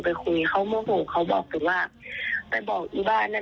แล้วหนูพบเจอเขาอีกหรือเขาตามอีกหรืออะไร